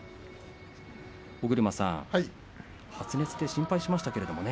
尾車さん、発熱って心配しましたけれどもね。